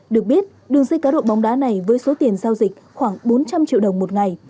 được biết đường dây cá độ bóng đá này với số tiền giao dịch khoảng bốn trăm linh triệu đồng một ngày